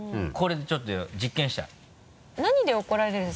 これでちょっと実験したい。